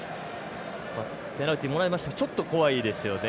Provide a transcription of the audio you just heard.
ペナルティもらいましたがちょっと怖いですよね。